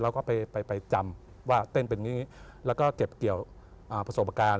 เราก็ไปจำว่าเต้นเป็นอย่างงี้แล้วก็เก็บเกี่ยวผสมการ